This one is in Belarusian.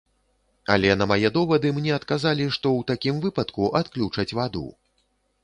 Але на мае довады мне адказалі, што у такім выпадку адключаць ваду.